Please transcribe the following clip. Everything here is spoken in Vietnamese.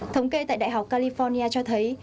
thống kê tại đại học california cho thấy